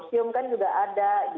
atau organisasi masyarakat sipil